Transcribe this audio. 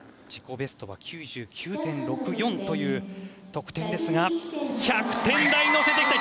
ベストは９９．６４ですが１００点台に乗せてきた！